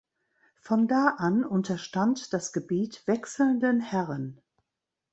Von da an unterstand das Gebiet wechselnden Herren.